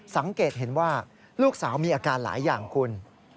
สังเกตเห็นว่าลูกสาวมีอาการหลายอย่างคุณ